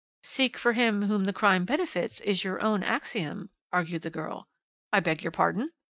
"Seek for him whom the crime benefits, is your own axiom," argued the girl. "I beg your pardon?"